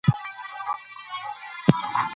سوله لرو.